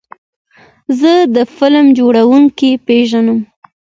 زه د فلم جوړونکي پیژنم.